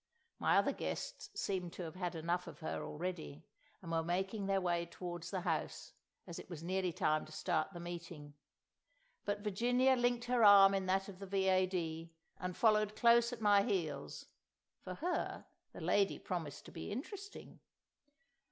My other guests seemed to have had enough of her already, and were making their way towards the house, as it was nearly time to start the meeting; but Virginia linked her arm in that of the V.A.D., and followed close at my heels; for her, the lady promised to be interesting.